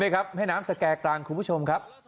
นี่ครับแผ่น้ำสแก่กลางคุณผู้ชมครับ